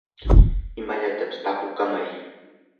imallatapis tapukamay.